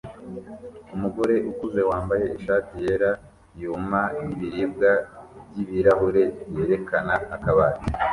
Umugore ukuze wambaye ishati yera inyuma yibiribwa byibirahure byerekana akabati